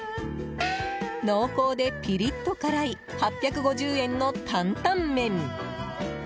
濃厚でピリッと辛い８５０円の担々麺。